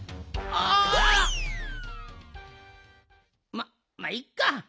まっまあいっか。